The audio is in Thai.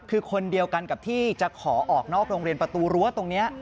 คือคนเดียวกันกับที่จะขอออกนอกโรงเรียนประตูรั้วตรงนี้